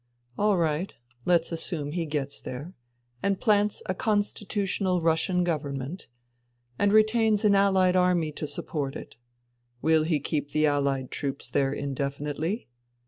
All right, let's INTERVENING IN SIBERIA 187 assume he gets there and plants a constitutional Russian government and retains an Allied army to support it. Will he keep the AUied troops there indefinitely